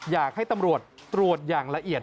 อยากให้ตำรวจตรวจอย่างละเอียด